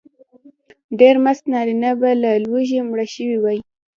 ډېر مست نارینه به له لوږې مړه شوي وای.